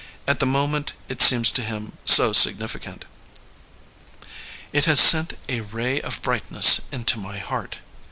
At the moment it seems to him so significant. ''It has sent a ray of brightness into my heart.